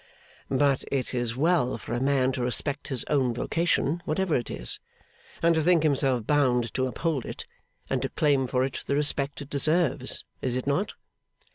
'But it is well for a man to respect his own vocation, whatever it is; and to think himself bound to uphold it, and to claim for it the respect it deserves; is it not?